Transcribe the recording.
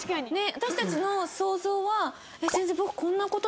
私たちの想像は。